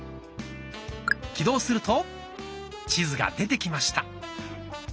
起動すると地図が出てきました。